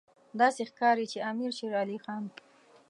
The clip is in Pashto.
داسې ښکاري چې امیر شېر علي خان.